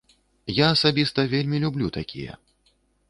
Я асабіста вельмі люблю такія.